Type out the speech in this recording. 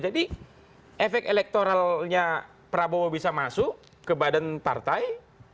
jadi efek elektoralnya prabowo bisa masuk ke badan partai